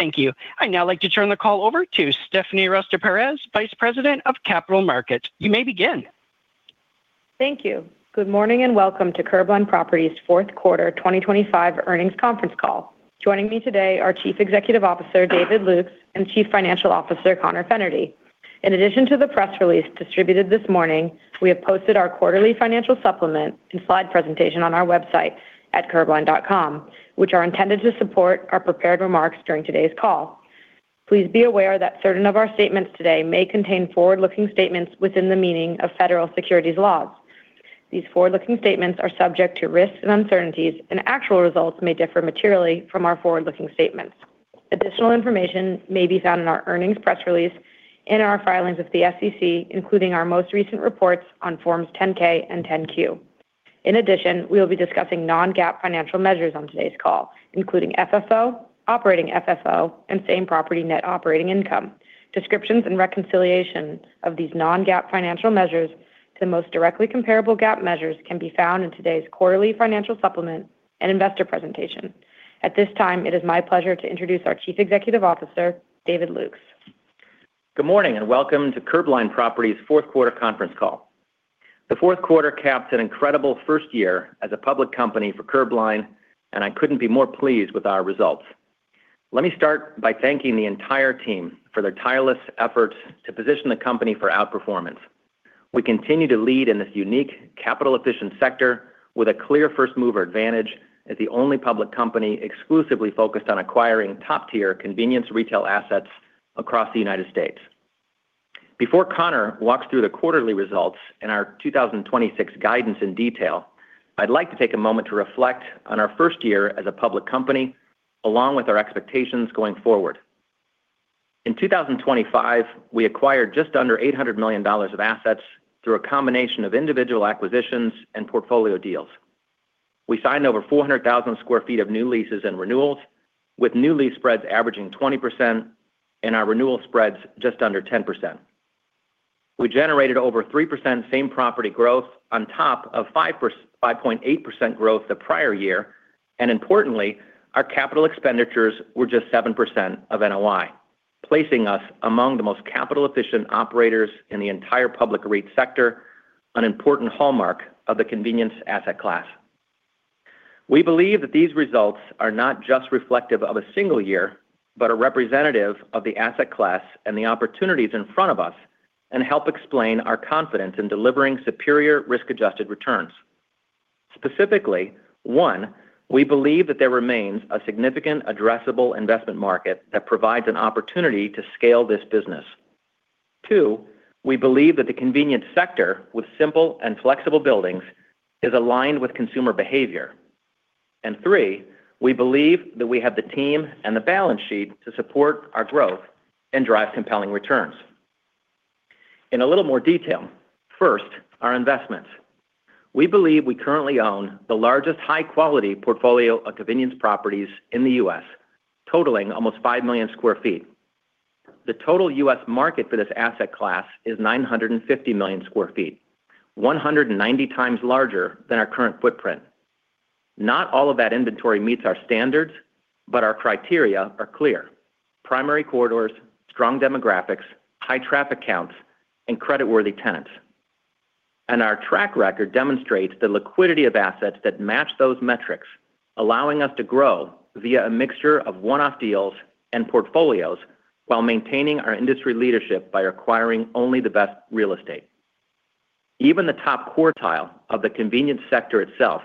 Thank you. I'd now like to turn the call over to Stephanie Ruys de Perez, Vice President of Capital Markets. You may begin. Thank you. Good morning, and welcome to Curbline Properties' fourth quarter 2025 earnings conference call. Joining me today are Chief Executive Officer, David Lukes, and Chief Financial Officer, Conor Fennerty. In addition to the press release distributed this morning, we have posted our quarterly financial supplement and slide presentation on our website at curbline.com, which are intended to support our prepared remarks during today's call. Please be aware that certain of our statements today may contain forward-looking statements within the meaning of federal securities laws. These forward-looking statements are subject to risks and uncertainties, and actual results may differ materially from our forward-looking statements. Additional information may be found in our earnings press release, in our filings with the SEC, including our most recent reports on Forms 10-K and 10-Q. In addition, we will be discussing non-GAAP financial measures on today's call, including FFO, operating FFO, and same-property net operating income. Descriptions and reconciliation of these non-GAAP financial measures to the most directly comparable GAAP measures can be found in today's quarterly financial supplement and investor presentation. At this time, it is my pleasure to introduce our Chief Executive Officer, David Lukes. Good morning, and welcome to Curbline Properties' fourth quarter conference call. The fourth quarter capped an incredible first year as a public company for Curbline, and I couldn't be more pleased with our results. Let me start by thanking the entire team for their tireless efforts to position the company for outperformance. We continue to lead in this unique, capital-efficient sector with a clear first-mover advantage as the only public company exclusively focused on acquiring top-tier convenience retail assets across the United States. Before Conor walks through the quarterly results and our 2026 guidance in detail, I'd like to take a moment to reflect on our first year as a public company, along with our expectations going forward. In 2025, we acquired just under $800 million of assets through a combination of individual acquisitions and portfolio deals. We signed over 400,000 sq ft of new leases and renewals, with new lease spreads averaging 20% and our renewal spreads just under 10%. We generated over 3% same-property growth on top of 5.8% growth the prior year, and importantly, our capital expenditures were just 7% of NOI, placing us among the most capital-efficient operators in the entire public REIT sector, an important hallmark of the convenience asset class. We believe that these results are not just reflective of a single year, but are representative of the asset class and the opportunities in front of us and help explain our confidence in delivering superior risk-adjusted returns. Specifically, one, we believe that there remains a significant addressable investment market that provides an opportunity to scale this business. Two, we believe that the convenience sector, with simple and flexible buildings, is aligned with consumer behavior. And three, we believe that we have the team and the balance sheet to support our growth and drive compelling returns. In a little more detail, first, our investments. We believe we currently own the largest high-quality portfolio of convenience properties in the U.S., totaling almost 5 million sq ft. The total U.S. market for this asset class is 950 million sq ft, 190 times larger than our current footprint. Not all of that inventory meets our standards, but our criteria are clear: primary corridors, strong demographics, high traffic counts, and creditworthy tenants. Our track record demonstrates the liquidity of assets that match those metrics, allowing us to grow via a mixture of one-off deals and portfolios while maintaining our industry leadership by acquiring only the best real estate. Even the top quartile of the convenience sector itself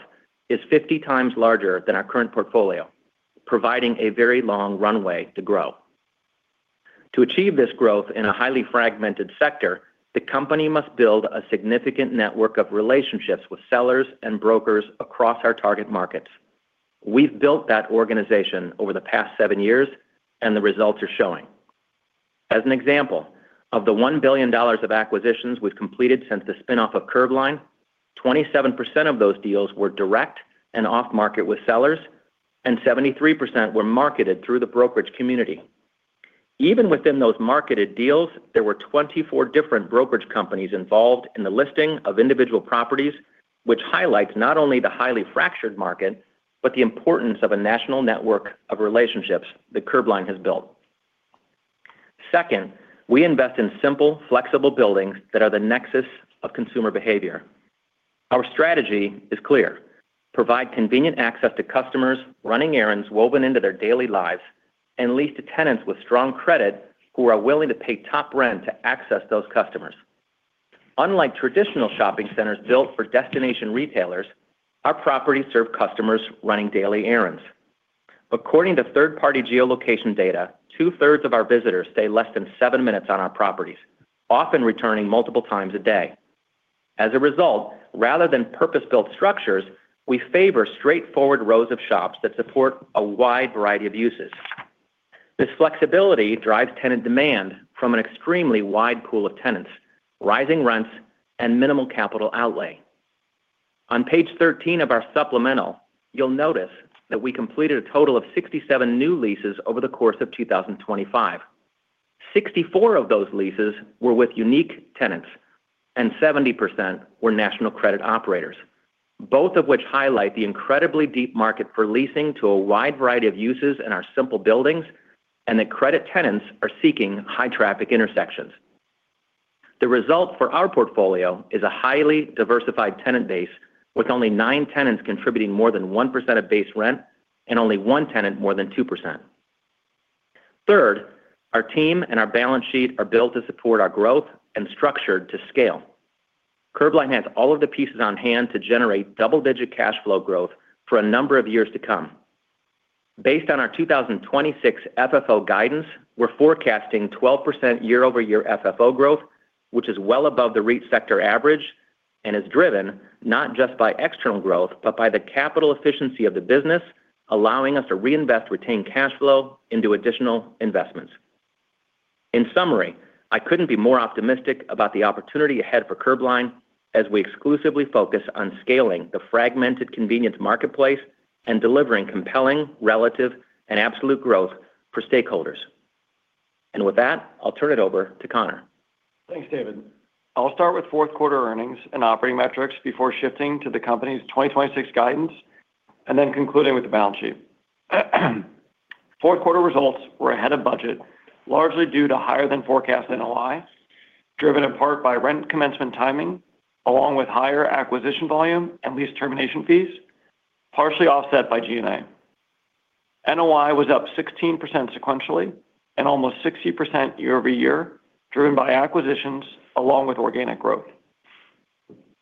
is 50 times larger than our current portfolio, providing a very long runway to grow. To achieve this growth in a highly fragmented sector, the company must build a significant network of relationships with sellers and brokers across our target markets. We've built that organization over the past 7 years, and the results are showing. As an example, of the $1 billion of acquisitions we've completed since the spin-off of Curbline, 27% of those deals were direct and off-market with sellers, and 73% were marketed through the brokerage community. Even within those marketed deals, there were 24 different brokerage companies involved in the listing of individual properties, which highlights not only the highly fractured market, but the importance of a national network of relationships that Curbline has built. Second, we invest in simple, flexible buildings that are the nexus of consumer behavior. Our strategy is clear: provide convenient access to customers, running errands woven into their daily lives, and lease to tenants with strong credit who are willing to pay top rent to access those customers. Unlike traditional shopping centers built for destination retailers, our properties serve customers running daily errands. According to third-party geolocation data, two-thirds of our visitors stay less than 7 minutes on our properties, often returning multiple times a day. As a result, rather than purpose-built structures, we favor straightforward rows of shops that support a wide variety of uses. This flexibility drives tenant demand from an extremely wide pool of tenants, rising rents, and minimal capital outlay. On page 13 of our supplemental, you'll notice that we completed a total of 67 new leases over the course of 2025. 64 of those leases were with unique tenants, and 70% were national credit operators, both of which highlight the incredibly deep market for leasing to a wide variety of uses in our simple buildings, and that credit tenants are seeking high traffic intersections. The result for our portfolio is a highly diversified tenant base, with only nine tenants contributing more than 1% of base rent and only one tenant more than 2%. Third, our team and our balance sheet are built to support our growth and structured to scale. Curbline has all of the pieces on hand to generate double-digit cash flow growth for a number of years to come. Based on our 2026 FFO guidance, we're forecasting 12% year-over-year FFO growth, which is well above the REIT sector average and is driven not just by external growth, but by the capital efficiency of the business, allowing us to reinvest retained cash flow into additional investments. In summary, I couldn't be more optimistic about the opportunity ahead for Curbline as we exclusively focus on scaling the fragmented convenience marketplace and delivering compelling, relative, and absolute growth for stakeholders. With that, I'll turn it over to Conor. Thanks, David. I'll start with fourth quarter earnings and operating metrics before shifting to the company's 2026 guidance, and then concluding with the balance sheet. Fourth quarter results were ahead of budget, largely due to higher than forecast NOI, driven in part by rent commencement timing, along with higher acquisition volume and lease termination fees, partially offset by G&A. NOI was up 16% sequentially and almost 60% year-over-year, driven by acquisitions along with organic growth.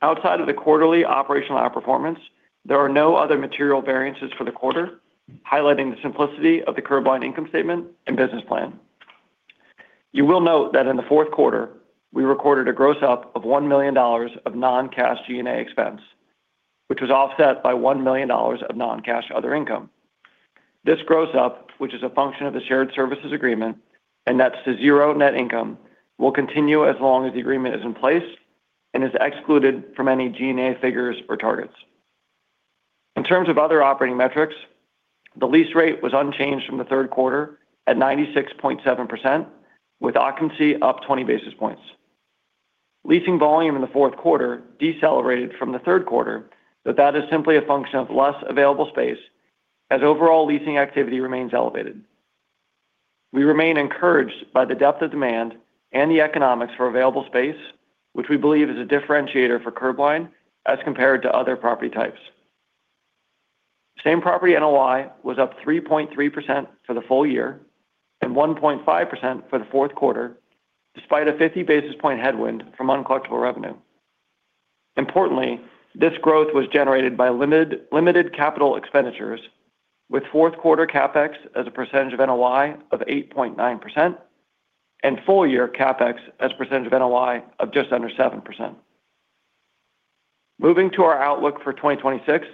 Outside of the quarterly operational outperformance, there are no other material variances for the quarter, highlighting the simplicity of the Curbline income statement and business plan. You will note that in the fourth quarter, we recorded a gross up of $1 million of non-cash G&A expense, which was offset by $1 million of non-cash other income. This gross up, which is a function of the shared services agreement, and that's the zero net income, will continue as long as the agreement is in place and is excluded from any G&A figures or targets. In terms of other operating metrics, the lease rate was unchanged from the third quarter at 96.7%, with occupancy up 20 basis points. Leasing volume in the fourth quarter decelerated from the third quarter, but that is simply a function of less available space, as overall leasing activity remains elevated. We remain encouraged by the depth of demand and the economics for available space, which we believe is a differentiator for Curbline as compared to other property types. Same property NOI was up 3.3% for the full year and 1.5% for the fourth quarter, despite a 50 basis point headwind from uncollectible revenue. Importantly, this growth was generated by limited capital expenditures, with fourth quarter CapEx as a percentage of NOI of 8.9% and full year CapEx as a percentage of NOI of just under 7%. Moving to our outlook for 2026,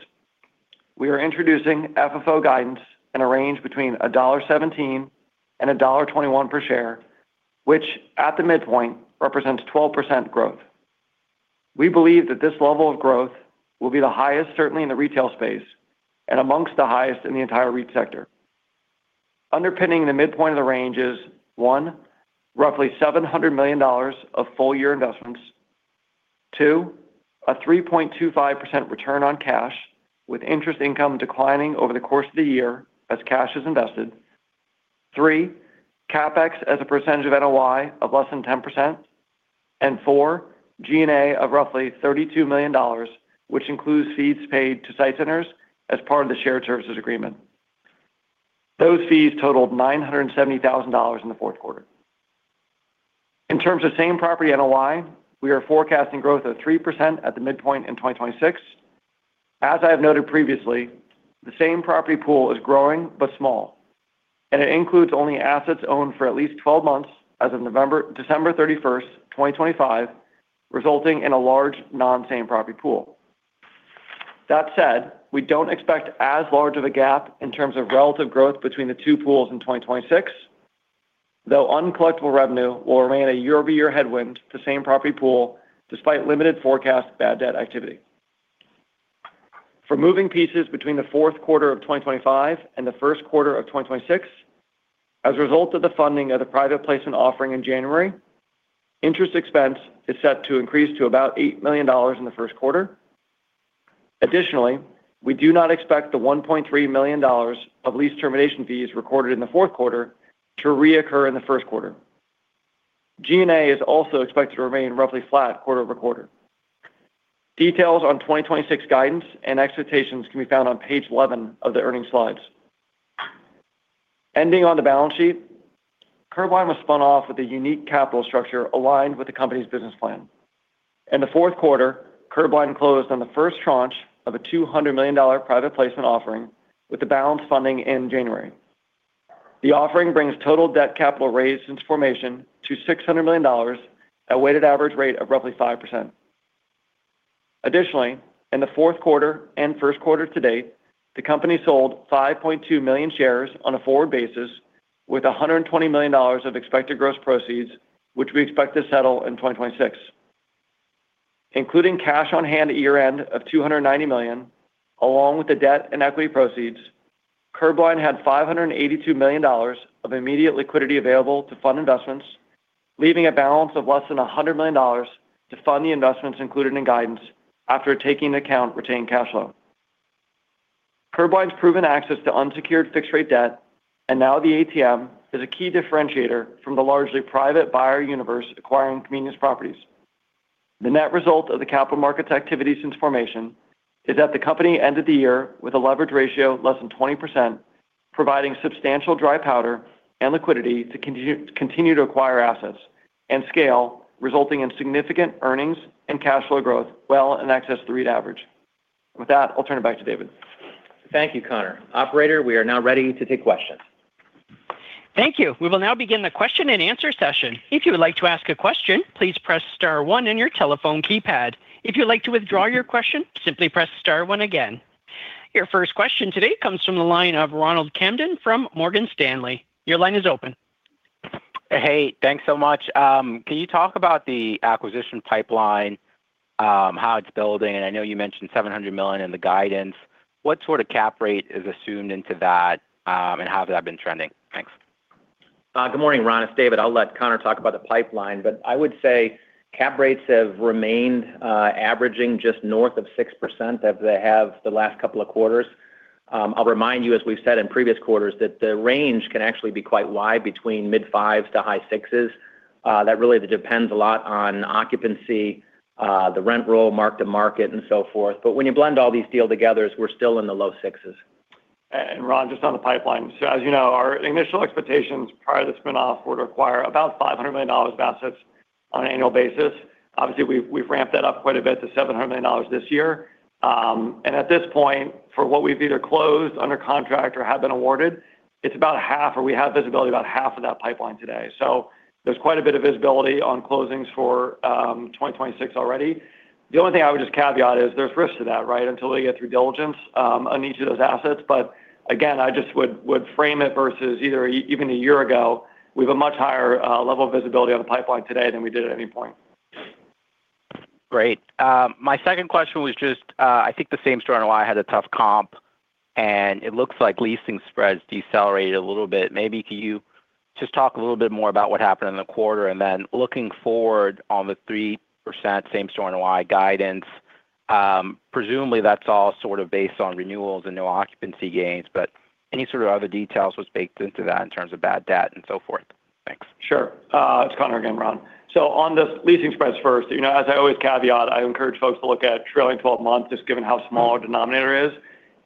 we are introducing FFO guidance in a range between $1.17 and $1.21 per share, which, at the midpoint, represents 12% growth. We believe that this level of growth will be the highest, certainly in the retail space, and among the highest in the entire REIT sector. Underpinning the midpoint of the range is one, roughly $700 million of full-year investments. Two, a 3.25% return on cash, with interest income declining over the course of the year as cash is invested. Three, CapEx as a percentage of NOI of less than 10%. And four, G&A of roughly $32 million, which includes fees paid to SITE Centers as part of the shared services agreement. Those fees totaled $970,000 in the fourth quarter. In terms of same property NOI, we are forecasting growth of 3% at the midpoint in 2026. As I have noted previously, the same property pool is growing but small, and it includes only assets owned for at least 12 months as of December 31, 2025, resulting in a large non-same property pool. That said, we don't expect as large of a gap in terms of relative growth between the two pools in 2026, though uncollectible revenue will remain a year-over-year headwind to same property pool, despite limited forecast bad debt activity. For moving pieces between the fourth quarter of 2025 and the first quarter of 2026, as a result of the funding of the private placement offering in January, interest expense is set to increase to about $8 million in the first quarter. Additionally, we do not expect the $1.3 million of lease termination fees recorded in the fourth quarter to reoccur in the first quarter. G&A is also expected to remain roughly flat quarter-over-quarter. Details on 2026 guidance and expectations can be found on page 11 of the earnings slides. Ending on the balance sheet, Curbline was spun off with a unique capital structure aligned with the company's business plan. In the fourth quarter, Curbline closed on the first tranche of a $200 million private placement offering, with the balance funding in January. The offering brings total debt capital raised since formation to $600 million, a weighted average rate of roughly 5%. Additionally, in the fourth quarter and first quarter to date, the company sold 5.2 million shares on a forward basis, with $120 million of expected gross proceeds, which we expect to settle in 2026. Including cash on hand at year-end of $290 million, along with the debt and equity proceeds, Curbline had $582 million of immediate liquidity available to fund investments, leaving a balance of less than $100 million to fund the investments included in guidance after taking account retained cash flow. Curbline's proven access to unsecured fixed rate debt, and now the ATM, is a key differentiator from the largely private buyer universe acquiring convenience properties. The net result of the capital markets activity since formation is that the company ended the year with a leverage ratio of less than 20%, providing substantial dry powder and liquidity to continue to acquire assets and scale, resulting in significant earnings and cash flow growth well in excess of the REIT average. With that, I'll turn it back to David. Thank you, Conor. Operator, we are now ready to take questions. Thank you. We will now begin the question-and-answer session. If you would like to ask a question, please press star one on your telephone keypad. If you'd like to withdraw your question, simply press star one again. Your first question today comes from the line of Ronald Kamdem from Morgan Stanley. Your line is open. Hey, thanks so much. Can you talk about the acquisition pipeline, how it's building? I know you mentioned $700 million in the guidance. What sort of cap rate is assumed into that, and how has that been trending? Thanks. Good morning, Ron. It's David. I'll let Conor talk about the pipeline, but I would say cap rates have remained averaging just north of 6%, as they have the last couple of quarters. I'll remind you, as we've said in previous quarters, that the range can actually be quite wide, between mid-5s to high 6s. That really depends a lot on occupancy, the rent roll, mark to market, and so forth. But when you blend all these deals together, we're still in the low 6s. And Ron, just on the pipeline. So as you know, our initial expectations prior to the spin-off were to acquire about $500 million of assets on an annual basis. Obviously, we've ramped that up quite a bit to $700 million this year. And at this point, for what we've either closed, under contract, or have been awarded, it's about half, or we have visibility about half of that pipeline today. So there's quite a bit of visibility on closings for 2026 already. The only thing I would just caveat is there's risks to that, right, until we get through diligence on each of those assets. But again, I just would frame it versus either even a year ago. We have a much higher level of visibility on the pipeline today than we did at any point. Great. My second question was just, I think the same-store NOI had a tough comp, and it looks like leasing spreads decelerated a little bit. Maybe can you just talk a little bit more about what happened in the quarter, and then looking forward on the 3% same-store NOI guidance, presumably, that's all sort of based on renewals and new occupancy gains. But any sort of other details was baked into that in terms of bad debt and so forth? Thanks. Sure. It's Connor again, Ron. So on the leasing spreads first, you know, as I always caveat, I encourage folks to look at trailing twelve months, just given how small our denominator is.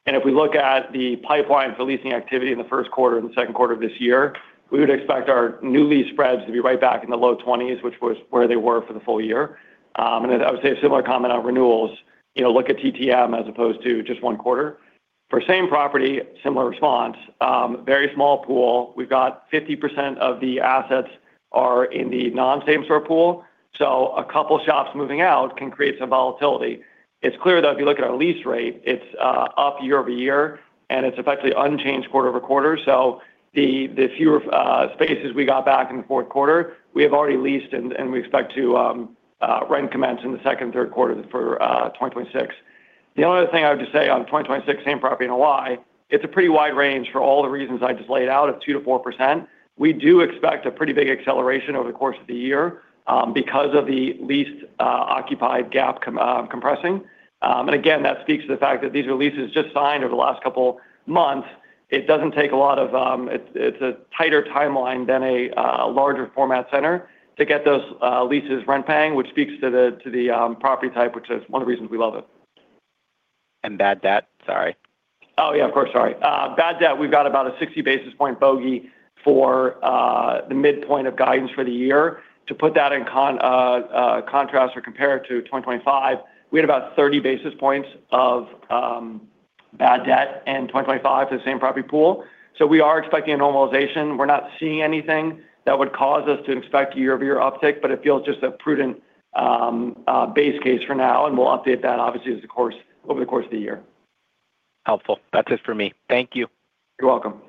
And if we look at the pipeline for leasing activity in the first quarter and the second quarter of this year, we would expect our new lease spreads to be right back in the low 20s, which was where they were for the full year. And I would say a similar comment on renewals. You know, look at TTM as opposed to just one quarter. For same property, similar response, very small pool. We've got 50% of the assets are in the non-same store pool, so a couple shops moving out can create some volatility. It's clear, though, if you look at our lease rate, it's up year-over-year, and it's effectively unchanged quarter-over-quarter. So the fewer spaces we got back in the fourth quarter, we have already leased and we expect to rent commence in the second and third quarter for 2026. The only other thing I would just say on 2026 same property NOI, it's a pretty wide range for all the reasons I just laid out, of 2%-4%. We do expect a pretty big acceleration over the course of the year, because of the leased occupied gap compressing. And again, that speaks to the fact that these are leases just signed over the last couple months. It doesn't take a lot of, it's a tighter timeline than a larger format center to get those leases rent paying, which speaks to the property type, which is one of the reasons we love it. Bad debt? Sorry. Oh, yeah, of course. Sorry. Bad debt, we've got about a 60 basis point bogey for the midpoint of guidance for the year. To put that in contrast or compare it to 2025, we had about 30 basis points of bad debt in 2025 to the same property pool. So we are expecting a normalization. We're not seeing anything that would cause us to expect year-over-year uptick, but it feels just a prudent base case for now, and we'll update that obviously over the course of the year. Helpful. That's it for me. Thank you. You're welcome.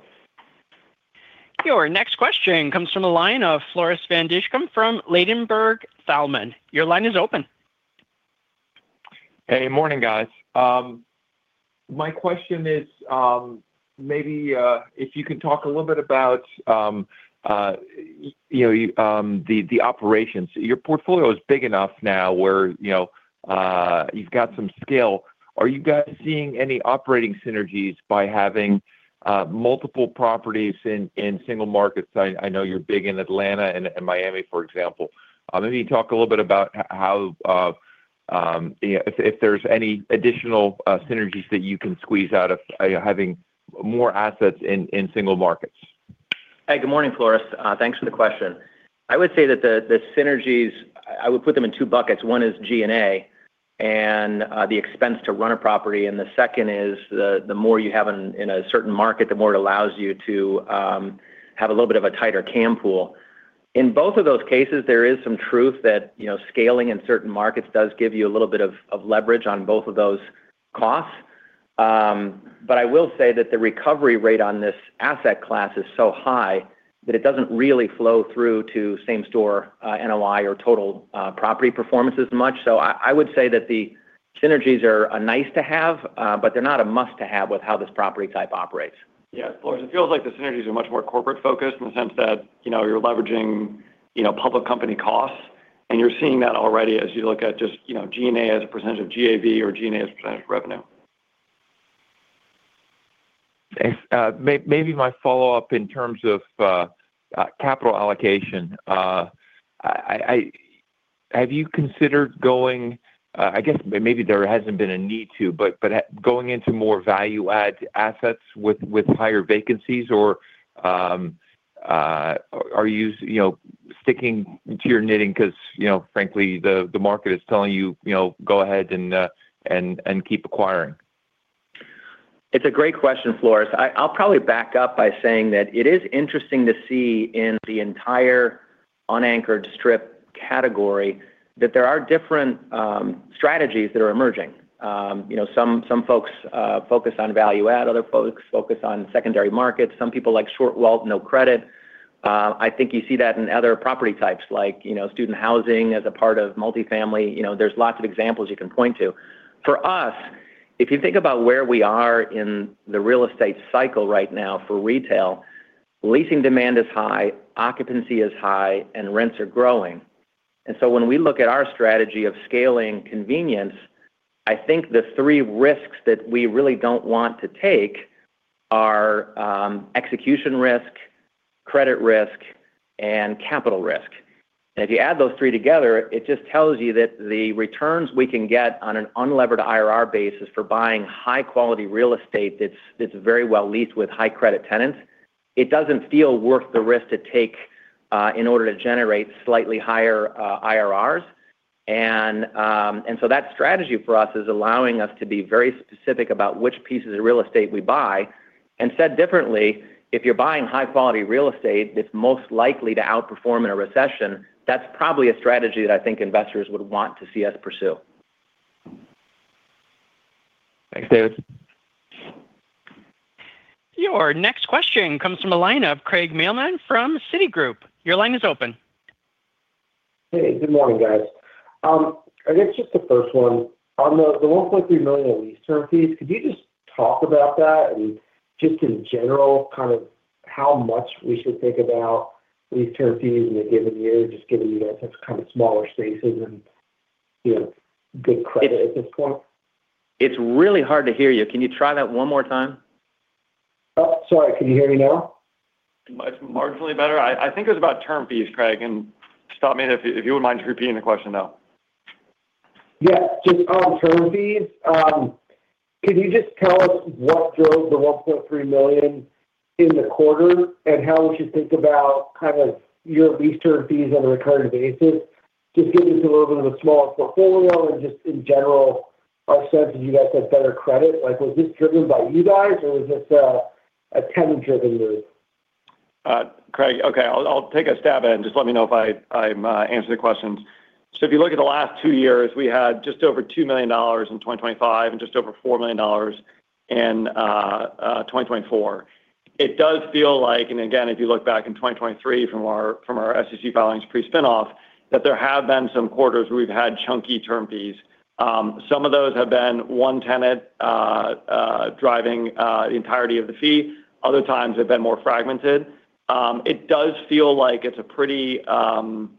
Your next question comes from the line of Floris van Dijkum from Ladenburg Thalmann. Your line is open. Hey, morning, guys. My question is, maybe, if you can talk a little bit about, you know, the operations. Your portfolio is big enough now where, you know, you've got some scale. Are you guys seeing any operating synergies by having multiple properties in single markets? I know you're big in Atlanta and Miami, for example. Maybe talk a little bit about how, you know, if there's any additional synergies that you can squeeze out of having more assets in single markets. Hey, good morning, Floris. Thanks for the question. I would say that the synergies, I would put them in two buckets. One is G&A and the expense to run a property, and the second is the more you have in a certain market, the more it allows you to have a little bit of a tighter CAM pool. In both of those cases, there is some truth that, you know, scaling in certain markets does give you a little bit of leverage on both of those costs. But I will say that the recovery rate on this asset class is so high that it doesn't really flow through to same store NOI or total property performance as much. So I, I would say that the synergies are a nice to have, but they're not a must-have with how this property type operates. Yes. Well, it feels like the synergies are much more corporate focused in the sense that, you know, you're leveraging, you know, public company costs, and you're seeing that already as you look at just, you know, G&A as a percentage of GAV or G&A as a percentage of revenue. Maybe my follow-up in terms of capital allocation. Have you considered going, I guess maybe there hasn't been a need to, but going into more value-add assets with higher vacancies, or are you, you know, sticking to your knitting because, you know, frankly, the market is telling you, you know, go ahead and keep acquiring? It's a great question, Floris. I'll probably back up by saying that it is interesting to see in the entire unanchored strip category, that there are different strategies that are emerging. You know, some folks focus on value add, other folks focus on secondary markets. Some people like short wealth, no credit. I think you see that in other property types, like, you know, student housing as a part of multifamily. You know, there's lots of examples you can point to. For us, if you think about where we are in the real estate cycle right now for retail, leasing demand is high, occupancy is high, and rents are growing. And so when we look at our strategy of scaling convenience, I think the three risks that we really don't want to take are execution risk, credit risk, and capital risk. If you add those three together, it just tells you that the returns we can get on an unlevered IRR basis for buying high-quality real estate that's, that's very well leased with high credit tenants, it doesn't feel worth the risk to take in order to generate slightly higher IRRs. And, and so that strategy for us is allowing us to be very specific about which pieces of real estate we buy. Said differently, if you're buying high-quality real estate, it's most likely to outperform in a recession. That's probably a strategy that I think investors would want to see us pursue. Thanks, David. Your next question comes from a line of Craig Mailman from Citigroup. Your line is open. Hey, good morning, guys. I guess just the first one. On the $1.3 million lease term fees, could you just talk about that, and just in general, kind of how much we should think about lease term fees in a given year, just given you guys have kind of smaller spaces and, you know, good credit at this point? It's really hard to hear you. Can you try that one more time? Oh, sorry. Can you hear me now? It's marginally better. I, I think it was about term fees, Craig, and stop me if, if you wouldn't mind repeating the question, though. Yeah. Just on term fees, can you just tell us what drove the $1.3 million in the quarter? And how we should think about kind of your lease term fees on a recurring basis, just given it's a little bit of a smaller portfolio and just in general, our sense is you guys have better credit. Like, was this driven by you guys or was this a tenant-driven move? Craig, okay, I'll, I'll take a stab at it and just let me know if I, I'm answering the questions. So if you look at the last two years, we had just over $2 million in 2025 and just over $4 million in 2024. It does feel like, and again, if you look back in 2023 from our, from our SEC filings pre-spinoff, that there have been some quarters where we've had chunky term fees. Some of those have been one tenant driving the entirety of the fee. Other times, they've been more fragmented. It does feel like it's a pretty, I don't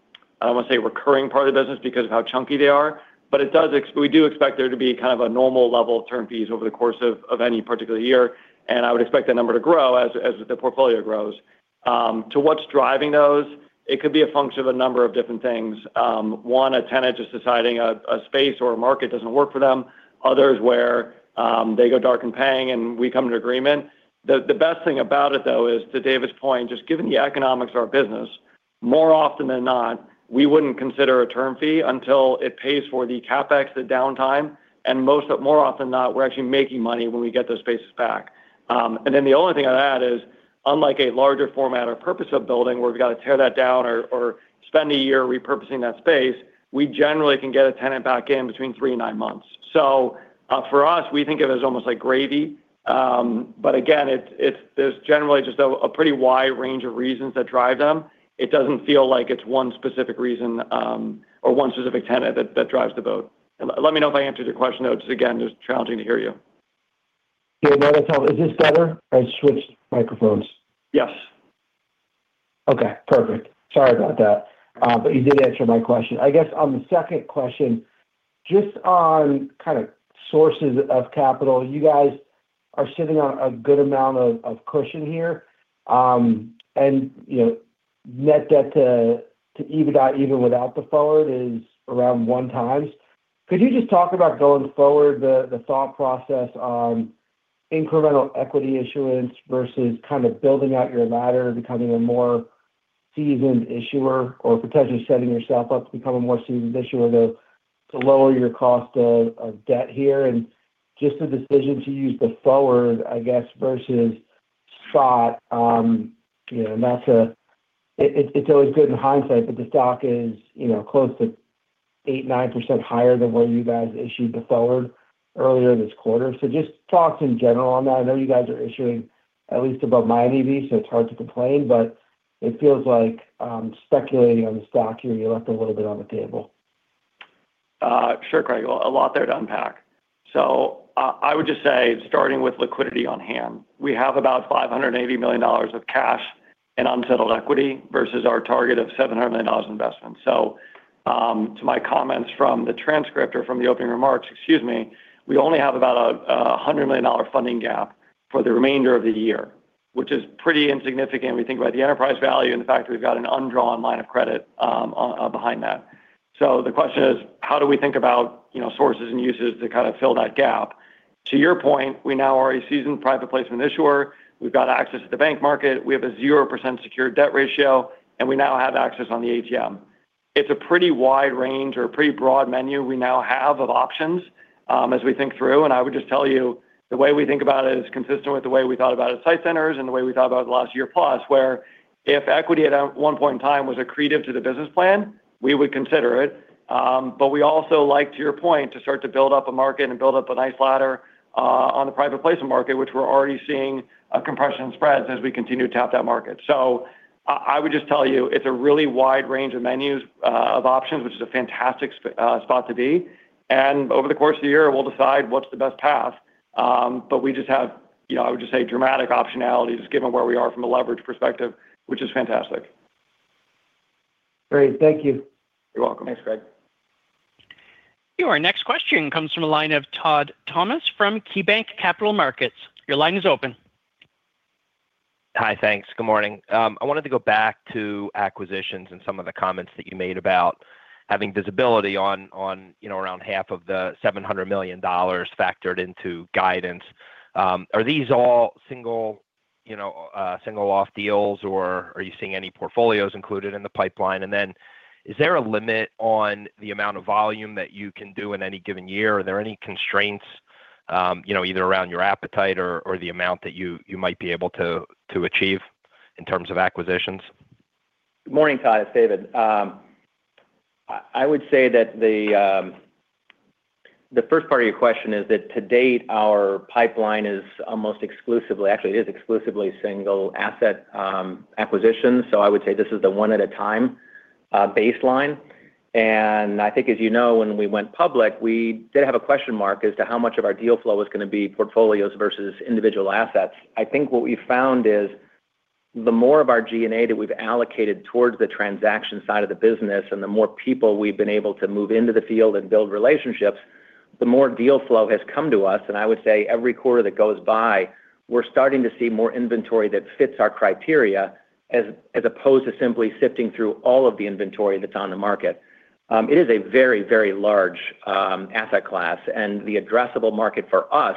want to say recurring part of the business because of how chunky they are, but it does, we do expect there to be kind of a normal level of term fees over the course of any particular year, and I would expect that number to grow as the portfolio grows. To what's driving those, it could be a function of a number of different things. One, a tenant just deciding a space or a market doesn't work for them, others where they go dark and paying, and we come to an agreement. The best thing about it, though, is to David's point, just given the economics of our business, more often than not, we wouldn't consider a term fee until it pays for the CapEx, the downtime, and more often than not, we're actually making money when we get those spaces back. And then the only thing I'd add is, unlike a larger format or purpose-built building, where we've got to tear that down or spend a year repurposing that space, we generally can get a tenant back in between 3-9 months. So, for us, we think of it as almost like gravy. But again, it's, there's generally just a pretty wide range of reasons that drive them. It doesn't feel like it's one specific reason, or one specific tenant that drives the boat. Let me know if I answered your question, though. Just again, just challenging to hear you. Yeah. Is this better? I switched microphones. Yes. Okay, perfect. Sorry about that. But you did answer my question. I guess on the second question, just on kind of sources of capital, you guys are sitting on a good amount of cushion here. And, you know, net debt to EBITDA, even without the forward, is around 1x. Could you just talk about going forward, the thought process on incremental equity issuance versus kind of building out your ladder, becoming a more seasoned issuer, or potentially setting yourself up to become a more seasoned issuer to lower your cost of debt here? And just the decision to use the forward, I guess, versus thought, you know, and that's it, it's always good in hindsight, but the stock is, you know, close to 8%-9% higher than where you guys issued the forward earlier this quarter. So just thoughts in general on that. I know you guys are issuing at least above my EV, so it's hard to complain, but it feels like, speculating on the stock here, you left a little bit on the table. Sure, Craig. Well, a lot there to unpack. So, I would just say, starting with liquidity on hand, we have about $580 million of cash and unsettled equity versus our target of $700 million investment. So, to my comments from the transcript or from the opening remarks, excuse me, we only have about a $100 million funding gap for the remainder of the year, which is pretty insignificant when you think about the enterprise value and the fact that we've got an undrawn line of credit behind that. So the question is: How do we think about, you know, sources and uses to kind of fill that gap? To your point, we now are a seasoned private placement issuer. We've got access to the bank market. We have a 0% secured debt ratio, and we now have access on the ATM. It's a pretty wide range or a pretty broad menu we now have of options as we think through. I would just tell you, the way we think about it is consistent with the way we thought about it at SITE Centers and the way we thought about it last year, plus, where if equity at one point in time was accretive to the business plan, we would consider it. But we also like, to your point, to start to build up a market and build up a nice ladder on the private placement market, which we're already seeing a compression in spreads as we continue to tap that market. So I, I would just tell you, it's a really wide range of menus of options, which is a fantastic spot to be. And over the course of the year, we'll decide what's the best path. But we just have, you know, I would just say, dramatic optionalities, given where we are from a leverage perspective, which is fantastic. Great. Thank you. You're welcome. Thanks, Craig. Your next question comes from a line of Todd Thomas from KeyBanc Capital Markets. Your line is open. Hi, thanks. Good morning. I wanted to go back to acquisitions and some of the comments that you made about having visibility on, on, you know, around half of the $700 million factored into guidance. Are these all single, you know, single-off deals, or are you seeing any portfolios included in the pipeline? And then, is there a limit on the amount of volume that you can do in any given year? Are there any constraints, you know, either around your appetite or, or the amount that you, you might be able to, to achieve in terms of acquisitions? Good morning, Todd. It's David. I would say that the first part of your question is that to date, our pipeline is almost exclusively, actually, it is exclusively single asset acquisitions. So I would say this is the one-at-a-time baseline. And I think, as you know, when we went public, we did have a question mark as to how much of our deal flow was gonna be portfolios versus individual assets. I think what we found is, the more of our G&A that we've allocated towards the transaction side of the business and the more people we've been able to move into the field and build relationships, the more deal flow has come to us. I would say every quarter that goes by, we're starting to see more inventory that fits our criteria, as opposed to simply sifting through all of the inventory that's on the market. It is a very, very large asset class, and the addressable market for us,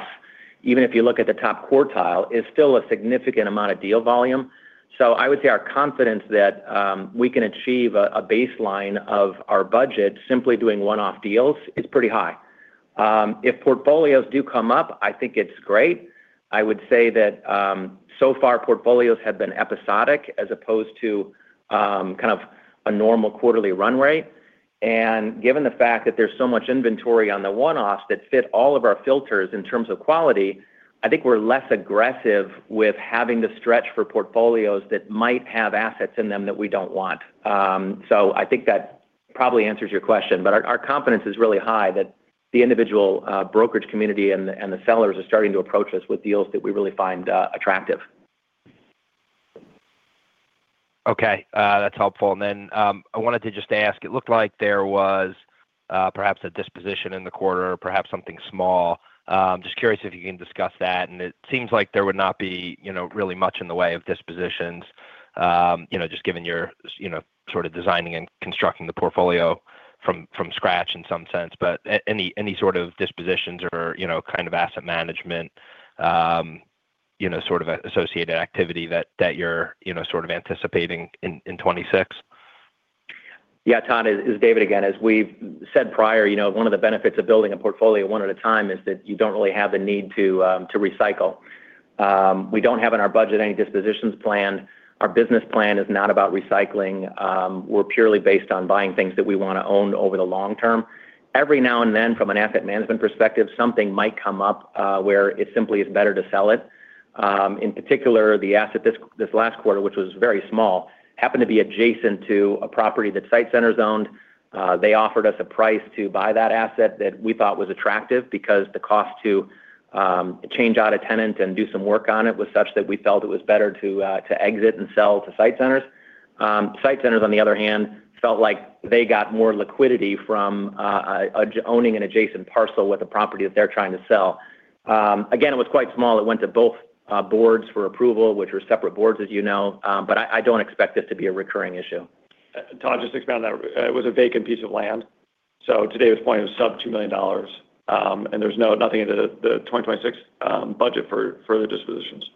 even if you look at the top quartile, is still a significant amount of deal volume. So I would say our confidence that we can achieve a baseline of our budget simply doing one-off deals is pretty high. If portfolios do come up, I think it's great. I would say that so far, portfolios have been episodic as opposed to kind of a normal quarterly run rate. And given the fact that there's so much inventory on the one-offs that fit all of our filters in terms of quality, I think we're less aggressive with having to stretch for portfolios that might have assets in them that we don't want. So I think that probably answers your question, but our confidence is really high that the individual brokerage community and the sellers are starting to approach us with deals that we really find attractive. Okay, that's helpful. And then, I wanted to just ask, it looked like there was, perhaps a disposition in the quarter, perhaps something small. Just curious if you can discuss that. And it seems like there would not be, you know, really much in the way of dispositions, you know, just given your, you know, sort of designing and constructing the portfolio from, from scratch in some sense, but any, any sort of dispositions or, you know, kind of asset management, you know, sort of associated activity that, that you're, you know, sort of anticipating in 2026? Yeah, Todd, it's David again. As we've said prior, you know, one of the benefits of building a portfolio one at a time is that you don't really have the need to recycle. We don't have in our budget any dispositions planned. Our business plan is not about recycling. We're purely based on buying things that we wanna own over the long term. Every now and then, from an asset management perspective, something might come up where it simply is better to sell it. In particular, the asset this last quarter, which was very small, happened to be adjacent to a property that SITE Centers owned. They offered us a price to buy that asset that we thought was attractive because the cost to change out a tenant and do some work on it was such that we felt it was better to exit and sell to SITE Centers. SITE Centers, on the other hand, felt like they got more liquidity from owning an adjacent parcel with a property that they're trying to sell. Again, it was quite small. It went to both boards for approval, which are separate boards, as you know. But I don't expect this to be a recurring issue. Todd, just to expand on that, it was a vacant piece of land. So to David's point, it was sub $2 million, and there's nothing in the 2026 budget for further dispositions.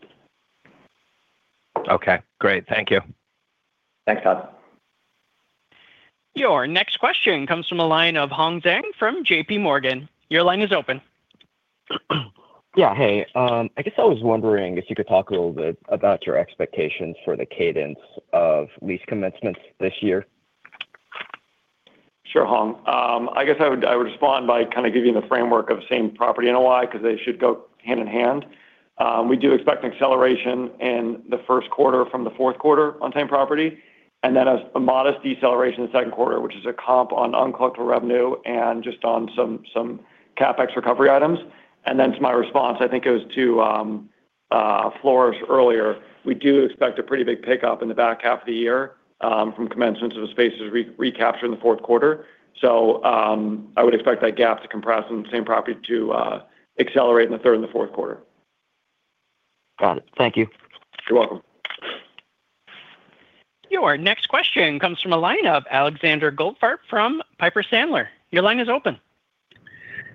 Okay, great. Thank you. Thanks, Todd. Your next question comes from the line of Hong Zhang from JPMorgan. Your line is open. Yeah, hey. I guess I was wondering if you could talk a little bit about your expectations for the cadence of lease commencements this year? Sure, Hong. I guess I would, I would respond by kind of giving the framework of same property NOI, 'cause they should go hand in hand. We do expect an acceleration in the first quarter from the fourth quarter on same property, and then a modest deceleration in the second quarter, which is a comp on uncollectible revenue and just on some CapEx recovery items. And then to my response, I think it was to Floris earlier, we do expect a pretty big pickup in the back half of the year, from commencements of the spaces we recaptured in the fourth quarter. So, I would expect that gap to compress on the same property to accelerate in the third and the fourth quarter. Got it. Thank you. You're welcome. Your next question comes from the line of Alexander Goldfarb from Piper Sandler. Your line is open.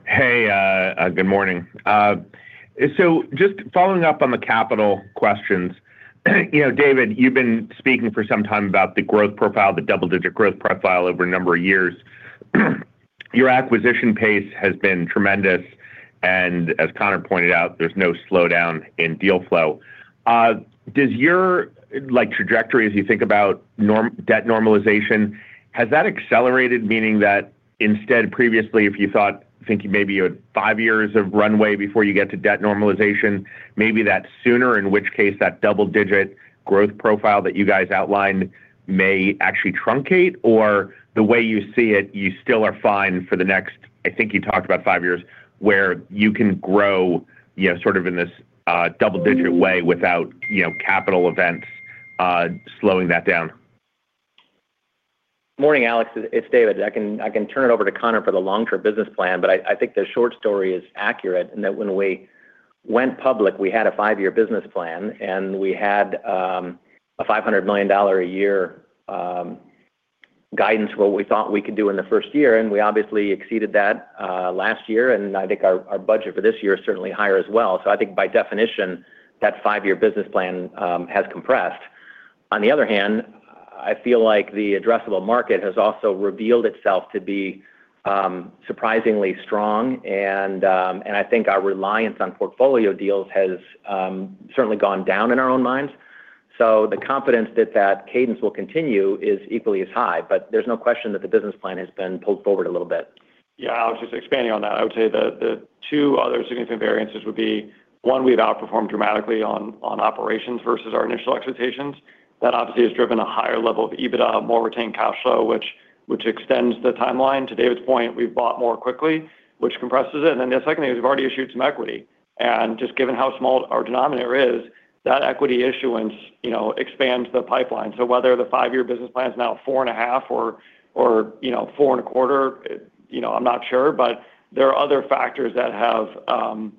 Hey, good morning. So just following up on the capital questions. You know, David, you've been speaking for some time about the growth profile, the double-digit growth profile over a number of years. Your acquisition pace has been tremendous, and as Conor pointed out, there's no slowdown in deal flow. Does your, like, trajectory, as you think about norm- debt normalization, has that accelerated, meaning that instead previously, if you thought, thinking maybe you had five years of runway before you get to debt normalization, maybe that's sooner, in which case, that double-digit growth profile that you guys outlined may actually truncate? Or the way you see it, you still are fine for the next, I think you talked about five years, where you can grow, you know, sort of in this, double digit way without, you know, capital events, slowing that down? Morning, Alex. It's David. I can turn it over to Conor for the long-term business plan, but I think the short story is accurate, in that when we went public, we had a five-year business plan, and we had a $500 million a year guidance, what we thought we could do in the first year, and we obviously exceeded that last year, and I think our budget for this year is certainly higher as well. So I think by definition, that five-year business plan has compressed. On the other hand, I feel like the addressable market has also revealed itself to be surprisingly strong, and I think our reliance on portfolio deals has certainly gone down in our own minds. The confidence that that cadence will continue is equally as high, but there's no question that the business plan has been pulled forward a little bit. Yeah, Alex, just expanding on that, I would say the two other significant variances would be, one, we've outperformed dramatically on operations versus our initial expectations. That obviously has driven a higher level of EBITDA, more retained cash flow, which extends the timeline. To David's point, we've bought more quickly, which compresses it. And then the second thing is, we've already issued some equity. And just given how small our denominator is, that equity issuance, you know, expands the pipeline. So whether the 5-year business plan is now 4.5% or, or, you know, 4.25%, you know, I'm not sure, but there are other factors that have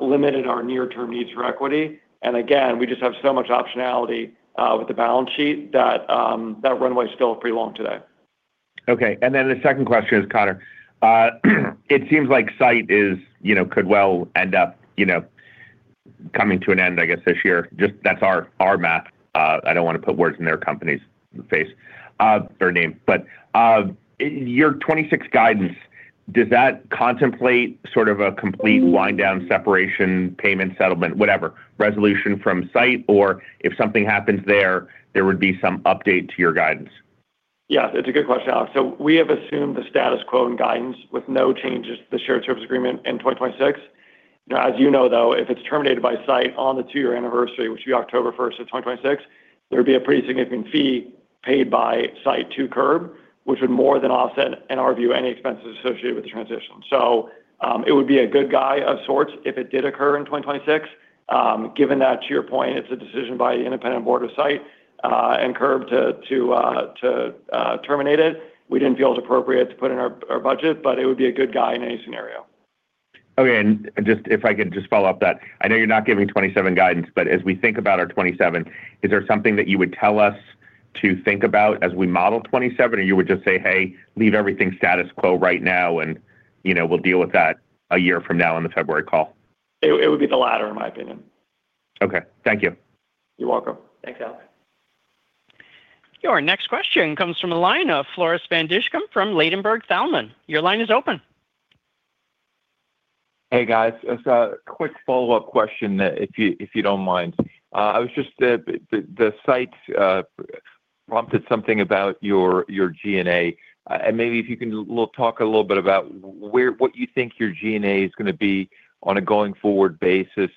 limited our near-term needs for equity. And again, we just have so much optionality with the balance sheet that that runway is still pretty long today. Okay, and then the second question is, Conor, it seems like SITE is, you know, could well end up, you know, coming to an end, I guess, this year. Just that's our, our math. I don't want to put words in their company's face, their name. But, your 2026 guidance, does that contemplate sort of a complete wind down, separation, payment, settlement, whatever, resolution from SITE? Or if something happens there, there would be some update to your guidance? Yeah, it's a good question, Alex. So we have assumed the status quo in guidance with no changes to the Shared Services Agreement in 2026. Now, as you know, though, if it's terminated by SITE on the two-year anniversary, which is October 1st, 2026, there would be a pretty significant fee paid by SITE to Curbline, which would more than offset, in our view, any expenses associated with the transition. So, it would be a good guy of sorts if it did occur in 2026. Given that, to your point, it's a decision by the independent board of SITE and Curbline to terminate it. We didn't feel it was appropriate to put in our budget, but it would be a good guy in any scenario. Okay, and just if I could just follow up that, I know you're not giving 2027 guidance, but as we think about our 2027, is there something that you would tell us to think about as we model 2027, or you would just say, "Hey, leave everything status quo right now, and, you know, we'll deal with that a year from now in the February call? It would be the latter, in my opinion. Okay, thank you. You're welcome. Thanks, Alex. Your next question comes from a line of Floris van Dijkum from Ladenburg Thalmann. Your line is open. Hey, guys. Just a quick follow-up question, if you don't mind. I was just, the SITE prompted something about your G&A. And maybe if you can talk a little bit about where—what you think your G&A is gonna be on a going-forward basis,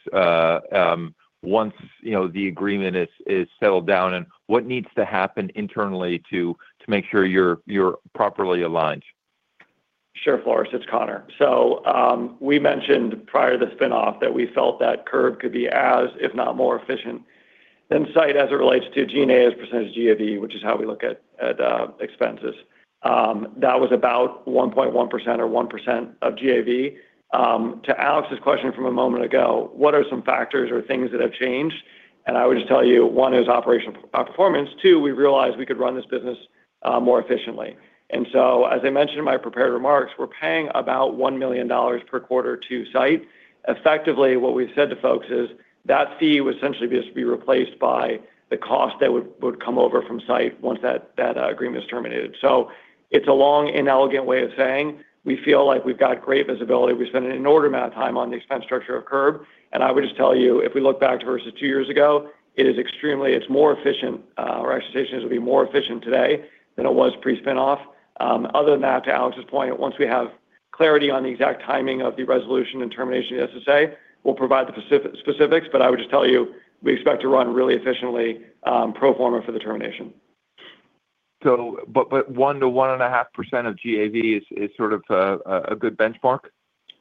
once, you know, the agreement is settled down, and what needs to happen internally to make sure you're properly aligned. Sure, Floris, it's Conor. So, we mentioned prior to the spin-off that we felt that Curbline could be as, if not more efficient than SITE as it relates to G&A as a percentage of GAV, which is how we look at expenses. That was about 1.1% or 1% of GAV. To Alex's question from a moment ago, what are some factors or things that have changed? And I would just tell you, one, is operational performance. Two, we realized we could run this business more efficiently. And so, as I mentioned in my prepared remarks, we're paying about $1 million per quarter to SITE. Effectively, what we've said to folks is, that fee would essentially just be replaced by the cost that would come over from SITE once that agreement is terminated. So it's a long, inelegant way of saying, we feel like we've got great visibility. We're spending an inordinate amount of time on the expense structure of Curbline, and I would just tell you, if we look back versus two years ago, it is extremely, it's more efficient. Our expectations will be more efficient today than it was pre-spin-off. Other than that, to Alex's point, once we have clarity on the exact timing of the resolution and termination of the SSA, we'll provide the specifics, but I would just tell you, we expect to run really efficiently, pro forma for the termination. But 1%-1.5% of GAV is sort of a good benchmark?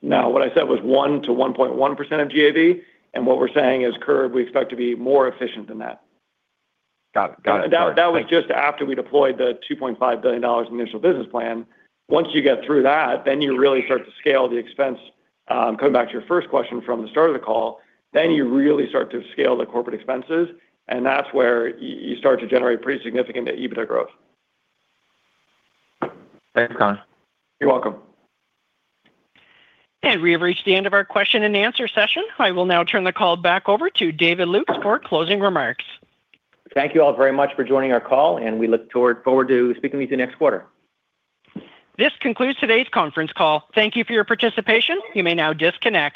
No, what I said was 1%-1.1% of GAV, and what we're saying is Curb, we expect to be more efficient than that. Got it. Got it. That was just after we deployed the $2.5 billion initial business plan. Once you get through that, then you really start to scale the expense. Coming back to your first question from the start of the call, then you really start to scale the corporate expenses, and that's where you start to generate pretty significant EBITDA growth. Thanks, Conor. You're welcome. We have reached the end of our question and answer session. I will now turn the call back over to David Lukes for closing remarks. Thank you all very much for joining our call, and we look forward to speaking with you next quarter. This concludes today's conference call. Thank you for your participation. You may now disconnect.